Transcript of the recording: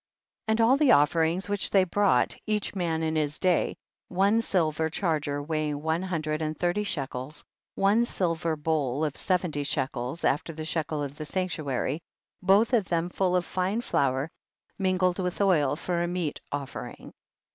9. And all the offerings which they brought, each man in his day, one silver charger weighing one hundred and thirty shekels, one silver bowl of seventy shekels after the shekel of the sanctuary, both of them full of fine flour, mingled with oil for a meat offering.